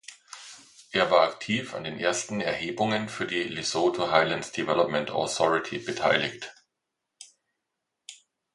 Er war aktiv an den ersten Erhebungen für die Lesotho Highlands Development Authority beteiligt.